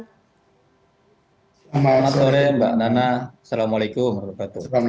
selamat sore mbak nana assalamualaikum